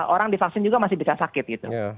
orang divaksin juga masih bisa sakit gitu